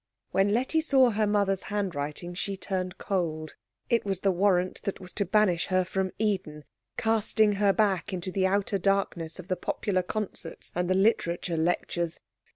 When Letty saw her mother's handwriting she turned cold. It was the warrant that was to banish her from Eden, casting her back into the outer darkness of the Popular Concerts and the literature lectures.